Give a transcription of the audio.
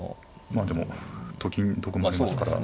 まあでもと金得もありますから。